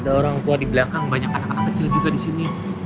ada orang tua di belakang banyak anak anak kecil juga di sini